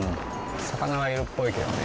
魚はいるっぽいけどね